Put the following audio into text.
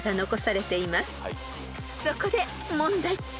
［そこで問題］